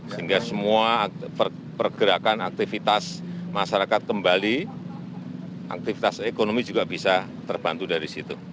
sehingga semua pergerakan aktivitas masyarakat kembali aktivitas ekonomi juga bisa terbantu dari situ